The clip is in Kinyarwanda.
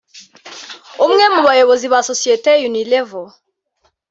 umwe mu bayobozi ba Sosiyete Unilever